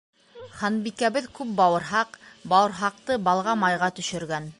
Ханбикәбеҙ күп бауырһаҡ, Бауырһаҡты балға-майға төшөргән.